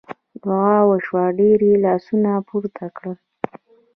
دعا وشوه ډېر یې لاسونه پورته کړل.